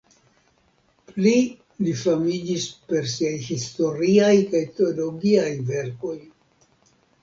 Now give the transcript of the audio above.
Pli li famiĝis per siaj historiaj kaj teologiaj verkoj.